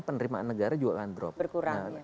penerimaan negara juga akan drop berkurang ya